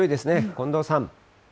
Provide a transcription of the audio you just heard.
近藤さん。